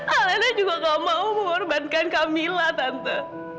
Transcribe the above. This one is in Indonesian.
alenda juga gak mau mengorbankan kamila tante